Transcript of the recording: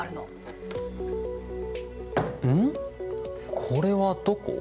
これはどこ？